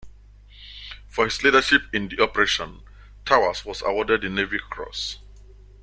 For his leadership in the operation, Towers was awarded the Navy Cross.